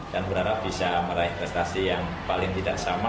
dan berharap bisa meraih prestasi yang paling tidak sama